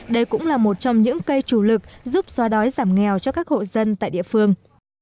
đây cũng là một trong những cây chủ lực giúp xóa đói giảm nghèo cho các hộ dân tại địa phương